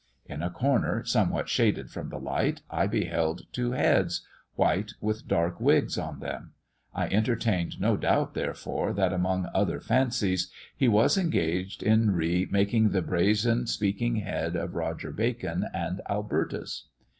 In a corner, somewhat shaded from the light, I beheld two heads, white, with dark wigs on them; I entertained no doubt, therefore, that, among other fancies, he was engaged in re making the brazen speaking head of Roger Bacon and Albertus."